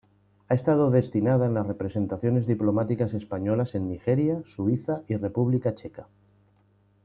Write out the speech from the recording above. Ha estado destinada en las representaciones diplomáticas españolas en Nigeria, Suiza y República Checa.